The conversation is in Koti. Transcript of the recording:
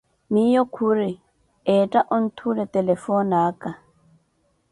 Miyo khuri, entta onthuula telefoni aka.